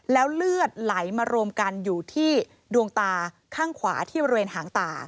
แล้วเลือดไหลมารวมกันอยู่ที่ดวงตาข้างขวาที่บริเวณหางตา